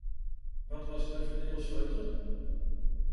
Wat was de verdeelsleutel?